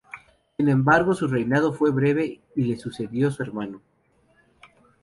Sin embargo su reinado fue breve y le sucedió su hermano.